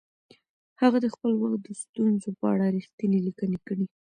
هغه د خپل وخت د ستونزو په اړه رښتیني لیکنې کړي.